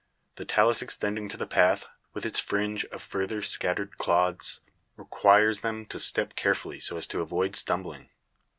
The talus extending to the path, with its fringe of further scattered clods, requires them to step carefully so as to avoid stumbling.